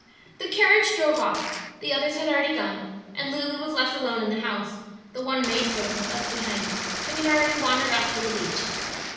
The carriage drove off; the others had already gone, and Lulu was left alone in the house, the one maid servant left behind having already wandered off to the beach.